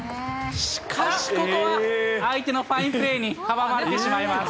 しかしここは相手のファインプレーに阻まれてしまいます。